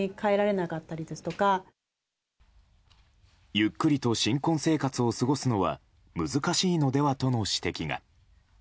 ゆっくりと新婚生活を過ごすのは難しいのではとの指摘が。